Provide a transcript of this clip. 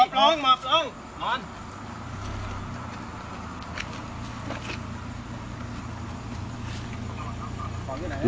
จุดแง่น้ำสองคน